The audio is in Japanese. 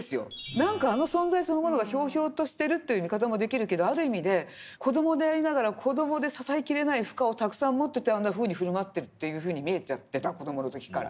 何かあの存在そのものがひょうひょうとしてるという見方もできるけどある意味で子どもでありながら子どもで支えきれない負荷をたくさん持っててあんなふうに振る舞ってるというふうに見えちゃってた子どもの時から。